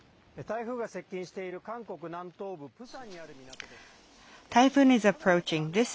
台風が接近している韓国南東部プサンにある港です。